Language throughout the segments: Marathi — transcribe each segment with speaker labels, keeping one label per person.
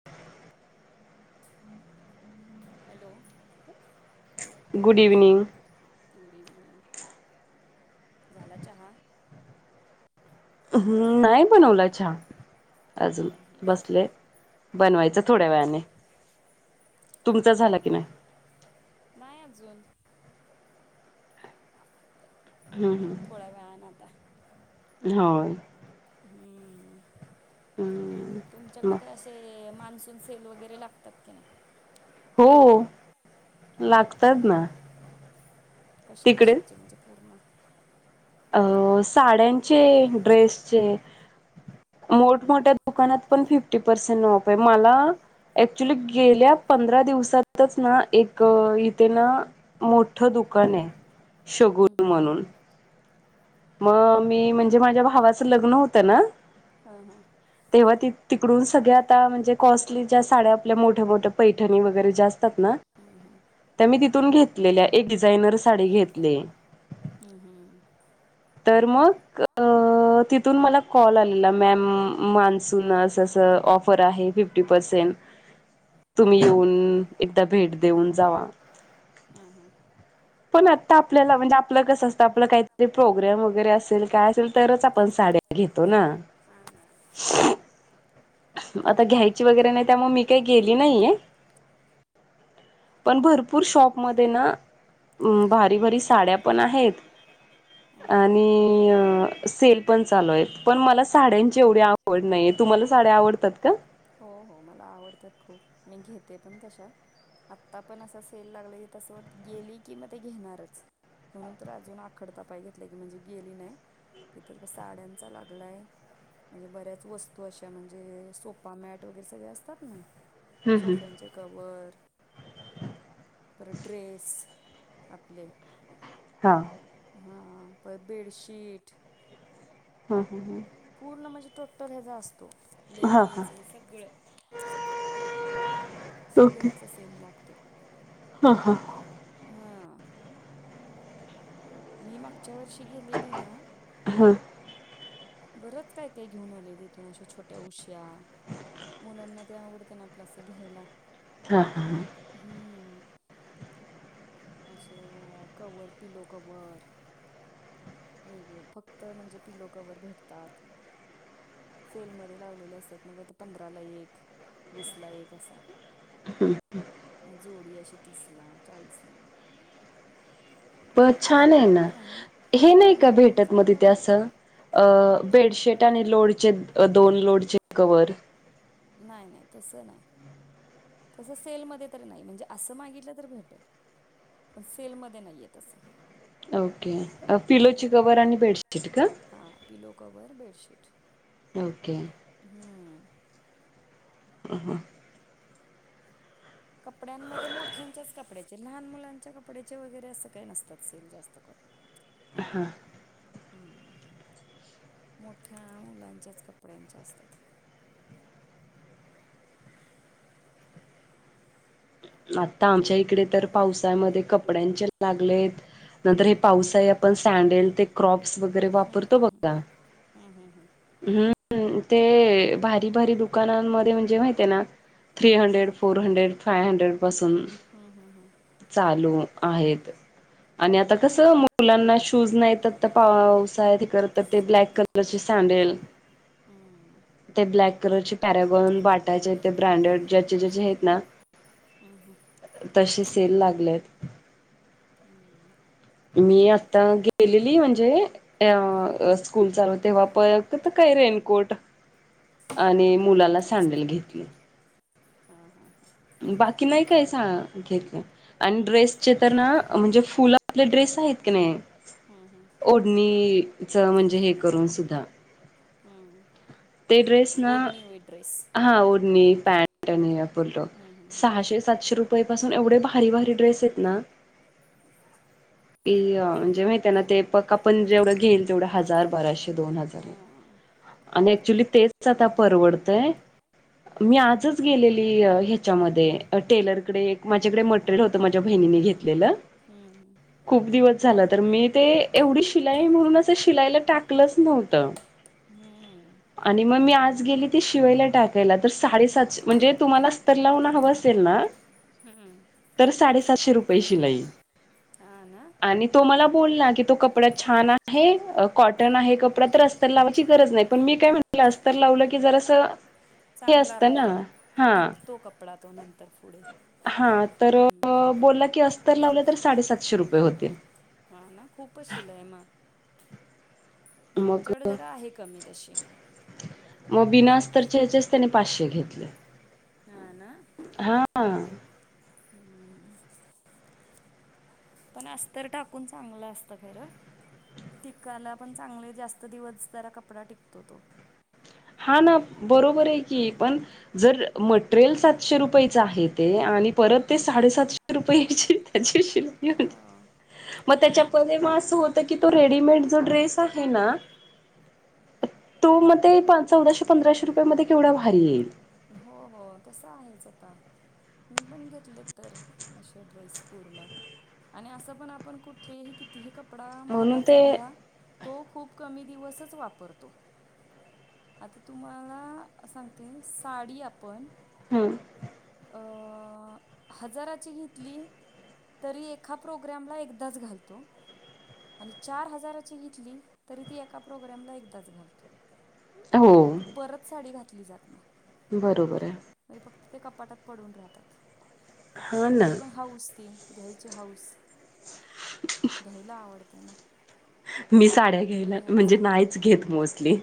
Speaker 1: [inaudible]
Speaker 2: [inaudible] Hello.
Speaker 1: Good evening.
Speaker 2: Good evening, झाला चहा?
Speaker 1: हम् नाही बनवला चहा अजून बसलेय. बनवायचं थोड्या वेळाने. तुमचा
Speaker 2: हा
Speaker 1: झाला की
Speaker 2: हां
Speaker 1: नाही
Speaker 2: नाही अजून. आता. थोड्या वेळानं
Speaker 1: [inaudible] होय.
Speaker 2: हम्म [inaudible] तुमच्याकडें
Speaker 1: मग
Speaker 2: काय अस ते मान्सून सेल वगैरे लागतात की नाही?
Speaker 1: हो [inaudible] लागतात ना.
Speaker 2: कशा
Speaker 1: तिकडे
Speaker 2: कशाचे म्हणजे पूर्ण?
Speaker 1: अ साड्यांचे, ड्रेसचे मोठ-मोठ्या
Speaker 2: हम्म
Speaker 1: दुकानात पण फिफ्टी पर्सेंट ऑफ आहे. मला ऍक्च्युली गेल्या पंधरा दिवसातच ना एक इथे ना मोठं दुकान आहे
Speaker 2: हम्म हम्म
Speaker 1: शगुन
Speaker 2: हम्म
Speaker 1: म्हणून. मग मी म्हणजे माझ्या भावाचं लग्न होतं ना.
Speaker 2: हा हा.
Speaker 1: तेव्हा ति तिकडून सगळ्या आता म्हणजे कॉस्टली ज्या साड्या आपल्या मोठ्या-मोठ्या पैठणी वगैरे ज्या असतात ना.
Speaker 2: हम्म हा.
Speaker 1: त्या मी तिथून घेतलेल्या एक डिझायनर साडी घेतले.
Speaker 2: हम्म हम्म.
Speaker 1: तर मग अ तिथून मला कॉल आलेला मॅम मान्सून असं स ऑफर आहे फिफ् टी पर्सेंन
Speaker 2: [inaudible]
Speaker 1: तुम्ही
Speaker 2: हम्म
Speaker 1: येऊन एकदा भेट देऊन जावा.
Speaker 2: हां हां.
Speaker 1: पण आता आपल्याला म्हणजे आपलं कसं असतं आपलं काहीतरी पोग्राम वगैरे असेल काय असेल तरच आपण साड्या घेतो ना.
Speaker 2: ना. हा ना.
Speaker 1: [inaudible] आता घ्यायची वगैरे नाही त्यामुळे मी काही गेली नाहीये. पण भरपूर शॉपमध्ये ना भारी भारी साड्या पण आहेत
Speaker 2: हा
Speaker 1: आणि सेल पण चालू आहेत पण मला साड्यांची एवढी आवड नाहीये तुम्हाला साड्या आवडतात का?
Speaker 2: हो हो मला आवडतात खूप मी घेते पण तशा. आत्ता पण असं सेल लागला की तसं वाटत गेली की म ते घेणारचं. म्हणून तर अजून आखडता पाय घेतलाय की म्हणजे गेली नाही. तिथं त साड्यांचा लागलाय म्हणजे बऱ्याच वस्तू अशा म्हणजे सोपा मॅट सगळे असतात ना
Speaker 1: हम्म हम्म.
Speaker 2: सोफ्यांचे कव्हर परत ड्रेस आपले
Speaker 1: हां.
Speaker 2: हां परत बेडशीट
Speaker 1: हा हा हा.
Speaker 2: पूर्ण म्हणजे टोटल ह्याचा असतो.
Speaker 1: हा हा.
Speaker 2: लेगीज हे सगळं
Speaker 1: ओके
Speaker 2: सगळ्याचा सेल लागतो.
Speaker 1: हा हा.
Speaker 2: हां. मी मागच्या वर्षी गेलेली ना
Speaker 1: हां.
Speaker 2: बरंच काय काय घेऊन आलेले इथून अशा छोट्या उश्या मुलांना ते आवडत ना असं घ्यायला.
Speaker 1: हां हां हां.
Speaker 2: हम्म. अशे कवर पिलो कवर वेगळे फक्त म्हणजे पिलो कवर भेटतात. सेलमध्ये लावलेलं असतात मग काय ते पंधराला एक वीस ला एक असा.
Speaker 1: हम्
Speaker 2: मग जोडी अशी तीस ला चाळीस ला
Speaker 1: प छान आहे ना
Speaker 2: आणि
Speaker 1: हे नाही
Speaker 2: हम्म
Speaker 1: का भेटत मग
Speaker 2: चांगलं
Speaker 1: तिथे
Speaker 2: भेटतं
Speaker 1: असं अ बेडशीट आणि लोडचे दोन लोडचे कवर
Speaker 2: नाही नाही तस नाही तसं सेलमध्ये त नाही म्हणजे असं मागितलं तर भेटेल पण सेलमध्ये नाहीये तसं
Speaker 1: ओके फिलोची
Speaker 2: हां
Speaker 1: कवर आणि बेडशीट का?
Speaker 2: हां पिलो कवर
Speaker 1: ओके
Speaker 2: हम्म
Speaker 1: ह ह
Speaker 2: कपड्यांमध्ये मोठ्यांच्याच कपड्याचे लहान मुलांच्या कपड्याचे वगैरे असं काही नसतात सेल जास्त करून आणि हम्म मोठ्या मुलांच्याच कपड्यांच्या असतात.
Speaker 1: आता आमच्या इकडे तर पावसायमध्ये कपड्यांचे लागलेत नंतर हे पावसाळी आपण सँडेल ते क्रॉप्स वगैरे वापरतो बघा
Speaker 2: हम्म हम्म हम्म
Speaker 1: हम्म ते भारी भारी दुकानांमध्ये म्हणजे माहित आहे ना three hundred four hundred five hundred, पासून!
Speaker 2: हू हू हू!
Speaker 1: चालू आहेत आणि आता कसं. मुलांना शूज नाहीत आता पावसाळ्यात हे करता ते ब्लॅक कलरचे सँडेल.
Speaker 2: हम्म
Speaker 1: ते ब्लॅक कलरचे पॅरगॉन, बाटाचे ते ब्रँडेड ज्याचे ज्याचे हेत ना.
Speaker 2: हू हू!
Speaker 1: तसे सेल लागलायत.
Speaker 2: हम्म
Speaker 1: मी आता गेली. ली म्हणजे
Speaker 2: म्हणजे
Speaker 1: अ स्कूल चालवते वाप त त काय रेनकोट! आणि मुलाला सँडेल घेतले.
Speaker 2: हा हा हा!
Speaker 1: बाकी नाही काय सा घेतलं. आण ड्रेसचे तर ना म्हणजे, फुल आपले ड्रेस आहेत की नाही.
Speaker 2: हं हं!
Speaker 1: ओढणीचं म्हणजे हे करून सुुद्धा!
Speaker 2: हू!
Speaker 1: ते ड्रेस ना हा ओढणी पॅन्ट आणि अपलो
Speaker 2: हम्म हम्म हम्म
Speaker 1: सहाशे सातशे रुपय पाासून एवढे भारी भारी ड्रेस हेत ना. ती अ म्हणजे माहित आहे ना ते पक आपण जेवढं घेईन तेवढा हजार बाराशे दोन हजार.
Speaker 2: हा
Speaker 1: आण ऍक्च्युली तेच आता परवड तय मी आजच गेलेली अ ह्याच्यामध्ये.
Speaker 2: अ,
Speaker 1: टेलरकडे एक माझ्याकडे मटेरियल होतं माझ्या बहिणीने घेतलेलं.
Speaker 2: हूंहूं!
Speaker 1: खूप दिवस झाला तर मी ते एवढी शिलाई म्हणूनच शिलाईला टाकलंच नव्हतं.
Speaker 2: हूं!
Speaker 1: आणि म मी आज गेली ते शिवायला टाकायला तर साडेसातशें म्हणजे तुम्हाला अस्तर लावून हवं असेल ना!
Speaker 2: हम्म
Speaker 1: तर साडेसातशे रुपये शिलाई
Speaker 2: हा ना
Speaker 1: आणि तो मला बोलला की तो कपडा छान आहे कॉटन आहे कपडा तर रअस्तर लावायची गरज नाही. पण मी काय म्हटलं अस्तर लावलं की जरासं. हे
Speaker 2: चांगला
Speaker 1: असतं ना
Speaker 2: राहतो
Speaker 1: हा!
Speaker 2: टिकतो कपडा तो नंतर पुढे
Speaker 1: हा तर बोलला की, अस्तर लावलं तर साडेसातशे रुपये होतील.
Speaker 2: हा ना खूपच शीलाई म. आमच्याकडे जरा आहे कमी तशी.
Speaker 1: म बिना अस्तरच्या याचेच त्यानी पाचशे घेतले.
Speaker 2: हा ना!
Speaker 1: हा!
Speaker 2: हूं! पण अस्तर टाकून चांगलं असतं खरं. टिकाला पण चांगले जास्त दिवस जरा कपडा टिकतो तो.
Speaker 1: हा ना बरोबर आहे की पण. जर मटेरियल सातशे रुपयच आहे ते आणि परत ते साडेसातशे रुपये याचे त्याचे
Speaker 2: हा!
Speaker 1: म त्याच्यापदे म असं होत की तो रेडीमेड जो ड्रेस आहे ना! तो म ते चौदाशे पंधराशेरुपया मध्ये केवढा भारी येईल.
Speaker 2: हो हो तसं आहेच आता. मी पण घेतलेत तर अशे ड्रेस पूर्ण. आणि असं पण आपण कुठले हे कितीही कपडा
Speaker 1: म्हणून
Speaker 2: महागाचा
Speaker 1: ते
Speaker 2: घ्या तो खूप कमी दिवसच वापरतो. आता तुम्हाला सांगते साडी आपण
Speaker 1: हम्म
Speaker 2: अ हजारची घेतली तरी एका प्रोग्रॅमला एकदाच घालतो. आणि चार हजाराची घेतली तरी ती एका प्रोग्रॅमला एकदाच घालतो.
Speaker 1: हो
Speaker 2: ती परत साडी घातली जात न्हाय.
Speaker 1: बरोबर आहे.
Speaker 2: म्हणजे फक्त ते कपाटात पडून राहतात
Speaker 1: हा
Speaker 2: पण
Speaker 1: ना
Speaker 2: तरी पण हाऊस ती. घ्यायची हाऊस.
Speaker 1: ह
Speaker 2: घ्यायला आवडते ना.
Speaker 1: मी साड्या
Speaker 2: मग
Speaker 1: घ्यायल्या म्हणजे
Speaker 2: घ्यायचंय
Speaker 1: नाहीच घेत मोस्टली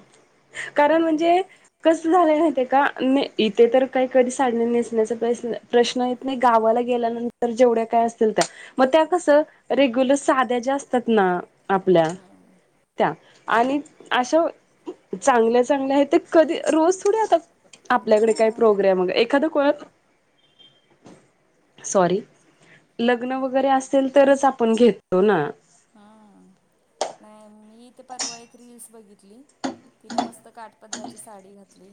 Speaker 1: कारण म्हणजे कस झालयं माहितीये का, नाही इथे तर काही कधी साडी नेसण्याचा प्रश्न प्रश्न येत नाही गावाला गेल्यानंतर जेवढ्या काय असतील त्या मग त्या कसं रेग्युलर साध्या ज्या असतात ना आपल्या
Speaker 2: हम्म
Speaker 1: त्या आणि अशा चांगल्या चांगल्या आहेत ते कधी रोज थोडी आता
Speaker 2: हो
Speaker 1: आपल्याकडे काय प्रोग्रॅम एखादं कोळत सॉरी लग्न वगैरे असेल तरच आपण घेतो ना.
Speaker 2: हां, हां नाही मी तेे परवा एक रिल्स बघितली तिनं मस्त काट पदराची साडी घातली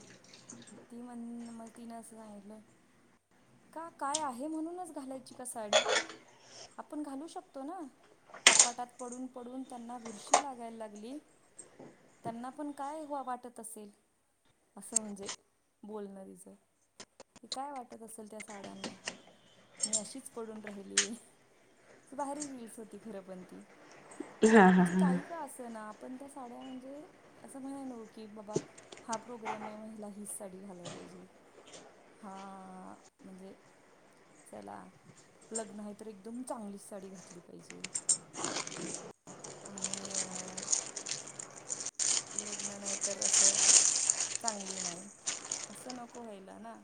Speaker 2: ती म्हण म तिन असं सांगितलं का काय आहे म्हणूनच घालायची का साडी आपण घालू शकतो ना. कपाटात पडून पडून त्यांना बुरशी लागाय लागली. त्यांना पण काय हो वाटत असेल. असं म्हणजे बोलण तिचं. कि काय वाटत असेल त्या साड्यांना मी अशीच पडून राहिली. असं भारी रिल्स होती खरं पण ती
Speaker 1: हा हा
Speaker 2: म्हणजे काही
Speaker 1: हा
Speaker 2: का असं ना. पण त्या साड्या म्हणजे असं म्हण हाय न्हव की बाबा हा प्रोग्राम आहे म हिला हीच साडी घालाय पाहिजे. हा, हा म्हणजे चला लग्न हाय तर एकदम चांगलीच साडी घातली पाहिजे. आणि अ..... लग्न नाही तर असं चांगली नाही, असं नको व्हायला ना.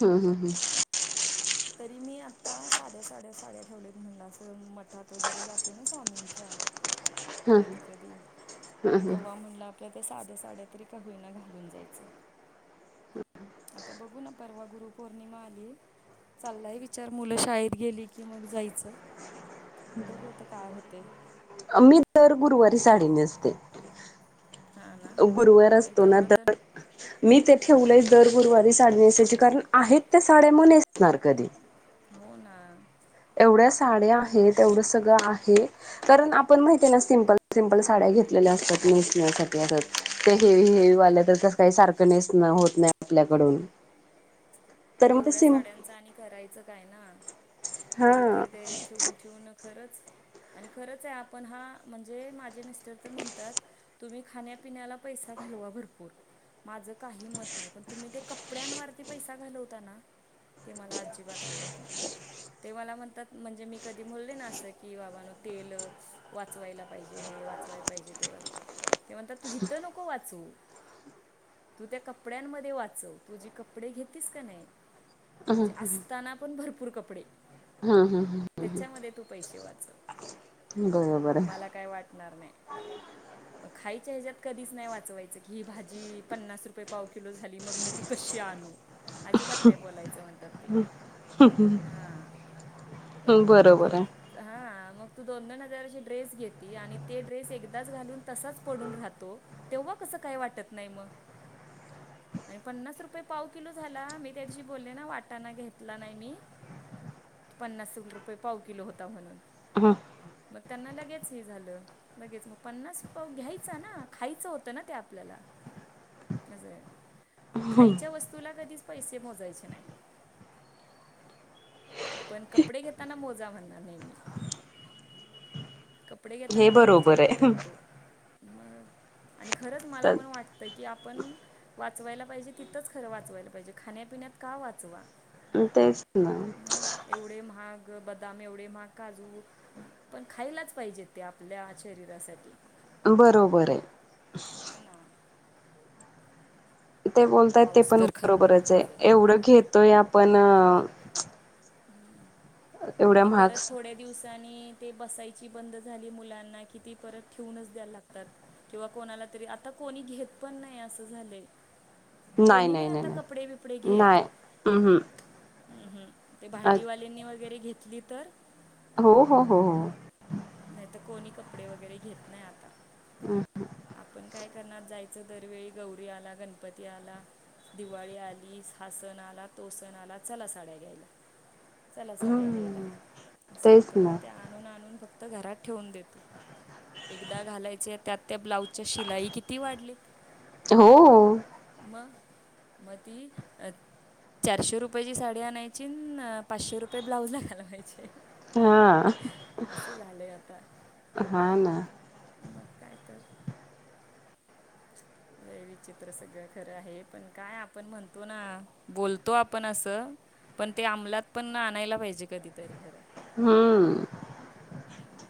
Speaker 1: हम्म, ह ह...
Speaker 2: तरी मी आता साध्या साड्या साड्या ठेवल्यात, म्हणलं असं मठात वगैरे जातो ना स्वामींच्या. कधी, कधी तेव्हा म्हणल आ पल्या त्या साध्या साड्या तरी का घालून जायचं. आता बघू ना परवा गुरु पौर्णिमा आली. चालाय विचार मुलं शाळेत गेली की मग जायचं, बघू आता काय होतय.
Speaker 1: मी दर गुरुवारी साडी नेसते.
Speaker 2: हां ना
Speaker 1: गुरुवार
Speaker 2: नाही
Speaker 1: असतो ना
Speaker 2: तेवढं
Speaker 1: तर मी ते ठेवलंय दर गुरुवारी साडी नेसायची, कारण आहेत त्या साड्या मग नेसणार कधी.
Speaker 2: हो ना.
Speaker 1: एवढ्या साड्या आहेत, एवढं सगळं आहे कारण आपण माहिती आहे ना सिंपल, सिंपल साड्या घेतलेल्या असतात. नेसण्यासाठी रोज
Speaker 2: हां
Speaker 1: त्या हेवी,
Speaker 2: मग
Speaker 1: हेवी
Speaker 2: काय
Speaker 1: वाल्यातर काही सारखं नेसन होत नाही आपल्याकडून. तर मग ते
Speaker 2: एवढ्या
Speaker 1: सिम
Speaker 2: साड्यांचं आणि करायचं काय ना.
Speaker 1: हा
Speaker 2: कधीतरी ते ठेवून, ठेवून खरचं आणि खरंच आहे, आपण हा म्हणजे माझे मिस्टर तर म्हणतात तुम्ही खाण्यापिण्याला पैसा घालवा भरपूर माझं काही मत नाही तुम्ही ते कपड्यांवरती पैसा घालव ता ना ते मला अजिबात आवडत नाही. ते मला म्हणतात, म्हणजे मी कधी बोले ना असं की बाबा नो तेल वाचवायला पाहिजे, हे वाचवाय पाहिजे ते म्हणतात तू हीथं नको वाचवू तू त्या कपड्यांमध्ये वाचव. तू जी कपडे घेतीस काय नाही म्हणजे असताना पण भरपूर कपडे
Speaker 1: हम्म
Speaker 2: त्याच्यामध्ये तु पैशे वाचव.
Speaker 1: हम्म बरोबर
Speaker 2: मला
Speaker 1: आहे
Speaker 2: काय वाटणार नाही. मग खायच्या ह्याच्यात कधीच नाही वाचवायचं की ही भाजी पन्नास रुपये पाव किलो झाली, मग मी ती कशी आणू? अजिबात नाही बोलायचं म्हणतात ते. हां ते
Speaker 1: बरोबर आहे
Speaker 2: हा मग तू दोन, दोन हजाराची ड्रेस घेती आणि ते ड्रेस एकदाच घालून तसाच पडून राहतो. तेव्हा कस काय वाटत नाही मग, आणि पन्नास रुपये पाव किलो झा ला मी त्या दिवशी बोले ना वाटाना घेतला नाही मी पन्नास रुपय पाव किलो होता म्हणून.
Speaker 1: ह
Speaker 2: मग त्यांना लगेच हे झालं. लगेच मग पन्नास पाव घ्यायचा ना, खायचं होतं ना ते आपल्याला. असय खायच्या वस्तूला कधीच पैसे मोजायचे नाहित. पण कपडे घेताना मोजा म्हणार नाही मी. कपडे
Speaker 1: हे
Speaker 2: घेताना नाही विचार
Speaker 1: बरोबर आहे
Speaker 2: करत तो मग. आणि खरंच मला
Speaker 1: तर
Speaker 2: पण वाटतं की, आपण वाचवायला पाहिजे तिथंच खरं वाचवायला पाहिजे. खाण्यापिण्यात का वाचवा.
Speaker 1: मग तेच ना.
Speaker 2: मग एवढे महाग बदाम, एवढे महाग काजू पण खायलाच पाहिजेत ते आपल्या शरीरासाठी.
Speaker 1: बरोबर आहे.
Speaker 2: हा ना.
Speaker 1: ते बोलताय ते
Speaker 2: पाऊस
Speaker 1: पण
Speaker 2: तर खरं
Speaker 1: बरोबरच आहे
Speaker 2: खूपच
Speaker 1: एवढं घेतोय आपण एवढ्या
Speaker 2: आणि
Speaker 1: महाग
Speaker 2: परत थोडे दिवसाांनी ते बसायची बंद झाली मुलांना कि ती परत ठेऊनच द्यायला लागतात. किंवा कोणाला तरी आता कोणी घेत पण नाही असं झालयं. कोणी नाही आता कपडे बिपडे घेत.
Speaker 1: नाही हम्म हम्म.
Speaker 2: हम्म हम्म ते भांडीवाल्यांनी वगैरे घेतली तर
Speaker 1: हो हो हो हो.
Speaker 2: नाही तर कपडे वगैरे नाही आता आपण काय करणार जायच. दरवेळी गौरी आला गणपती आला. दिवाळी आली हा सणआला तो सण आला चला साड्या घ्यायला. चला साड्या घ्यायला
Speaker 1: हम्म
Speaker 2: असं
Speaker 1: तेच
Speaker 2: होतं
Speaker 1: ना
Speaker 2: आणि ते आणून आणून फक्त घरात ठेवून देतो. एकदा घालायचे त्यात त्या ब्लाऊजच्या शिलाई किती वाढली.
Speaker 1: हो
Speaker 2: म म ती अ चारशे रुपयाेची साडी आणायची पाचशे रुपये ब्लाऊजला घालवायचे.
Speaker 1: हा.
Speaker 2: अस झालंय आता
Speaker 1: हा ना
Speaker 2: मग काय तर. [inaudible] लई विचित्र सगळं खरं आहे पण काय आपण म्हणतो ना बोलतो आपण असं पण ते अंमबलात पण आणायला पाहिजे कधीतरी खरं.
Speaker 1: हम्म.
Speaker 2: [inaudible]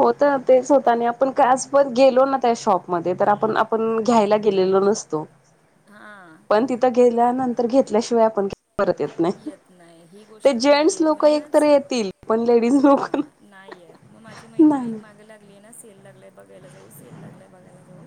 Speaker 1: होत तेच होतं आणि आपण काय आज पण गेलो ना त्या शॉपमध्ये तर आपण आपण घ्यायला गेलेलो नसतो.
Speaker 2: हा.
Speaker 1: पण तिथं गेल्यानंतर घेतल्याशिवाय आपण परत येत नाही
Speaker 2: नाही ही
Speaker 1: ते
Speaker 2: गोष्ट खरी
Speaker 1: जेंटस
Speaker 2: आहे
Speaker 1: लोक एकत
Speaker 2: म्हणूनच
Speaker 1: येतील पण लेडीज लोक.
Speaker 2: हां नाही आहेत मग माझी मैत्रिणी एक
Speaker 1: नाही
Speaker 2: मागं लागली आहे ना सेल लागला आहे बघायला जाऊ सेल लागला आहे बघायला जाऊ.